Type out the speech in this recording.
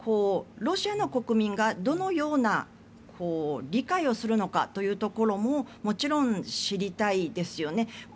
ロシアの国民がどのような理解をするのかというところももちろん知りたいですよね。